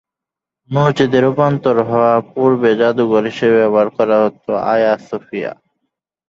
মসজিদে রূপান্তর হওয়ার পূর্বে জাদুঘর হিসেবে ব্যবহার করা হতো আয়া সোফিয়া।